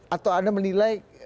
atau anda menilai